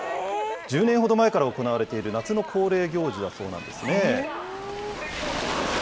１０年ほど前から行われている夏の恒例行事だそうなんですね。